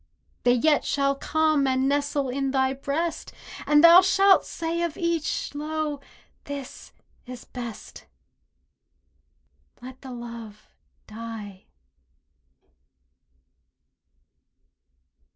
They yet shall come and nestle in thy breast, And thou shalt say of each, "Lo, this is best!" Let the love die!